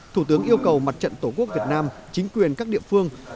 thủ tướng yêu cầu mặt trận tổ quốc việt nam